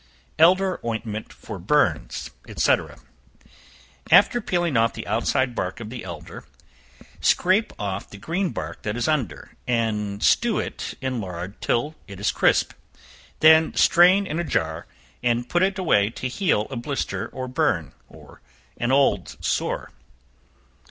Elder Ointment for Burns, &c. After peeling off the outside bark of the elder, scraps off the green bark that is under, and stew it in lard till it is crisp; then strain it in a jar, and put it away to heal a blister or burn, or an old sore.